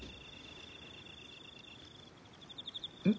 うん？